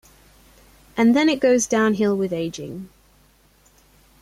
And then it goes downhill with aging.